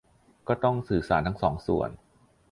ก็ต้องสื่อสารทั้งสองส่วน